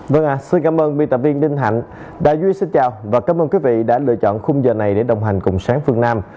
vâng xin cảm ơn biên tập viên ninh hạnh đã duy xin chào và cảm ơn quý vị đã lựa chọn khung giờ này để đồng hành cùng sáng phương nam